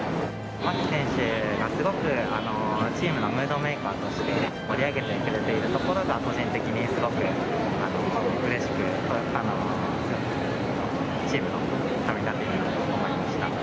牧選手がすごくチームのムードメーカーとして、盛り上げてくれているところが、個人的にすごくうれしくチームのためになってると思いました。